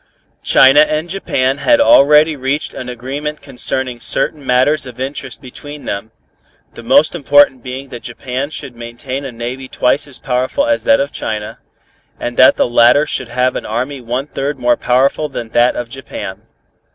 China and Japan had already reached an agreement concerning certain matters of interest between them, the most important being that Japan should maintain a navy twice as powerful as that of China, and that the latter should have an army one third more powerful than that of Japan.